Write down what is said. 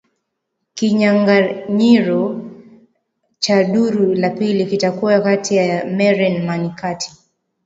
kinyanganyiro cha duru la pili kitakuwa kati ya meren manikati